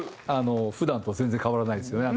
普段と全然変わらないですよね